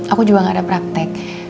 aku juga gak ada praktek